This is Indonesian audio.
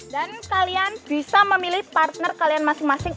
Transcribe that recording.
dan kalian bisa memilih partner kalian masing masing